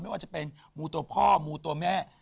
ไม่ว่าจะเป็นมูตัวพ่อมูตัวแม่